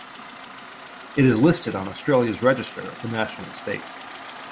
It is listed on Australia's Register of the National Estate.